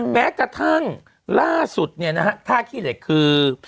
แม้กระทั่งล่าสุดเนี่ยนะฮะท่าขี้เหล็กคือ